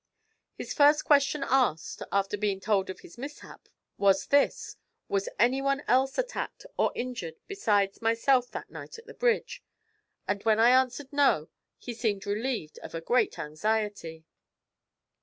His first question asked, after being told of his mishap, was this: "Was anyone else attacked or injured besides myself that night at the bridge?" and when I answered no, he seemed relieved of a great anxiety.'